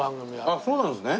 あっそうなんですね。